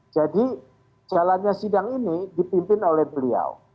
jadi jalannya sidang ini dipimpin oleh beliau